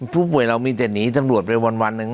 ผู้ป่วยเรามีแต่หนีตำรวจไปวันหนึ่ง